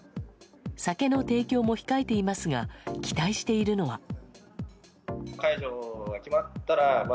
酒の提供も控えていますが期待しているのは。